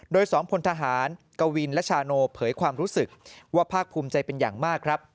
โดย๒พลทหารกวินและชาโนเผยความรู้สึกว่าภาคภูมิใจเป็นอย่างมากครับ